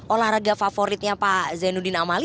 olahraga favoritnya pak zainudina mali